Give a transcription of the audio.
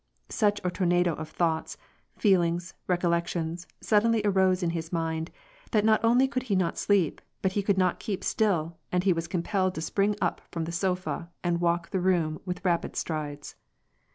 Such a tornado of thoughts, feelings, recollections, suddenly arose in bis mind, that not only he could not sleep, but could not keep still, and he was compelled to spring up from the sofa and Talk the room with rapid strides.